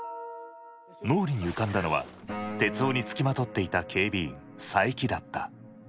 脳裏に浮かんだのは徹生につきまとっていた警備員佐伯だった。